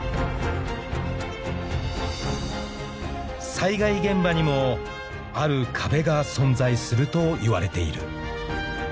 ［災害現場にもある壁が存在するといわれている］